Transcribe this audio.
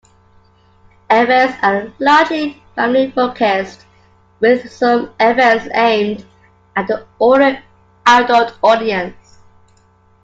Events are largely family-focussed, with some events aimed at an older adult audience.